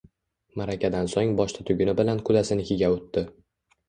Maʼrakadan soʼng boshda tuguni bilan qudasinikiga oʼtdi.